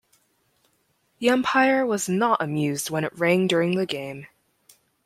The umpire was not amused when it rang during the game.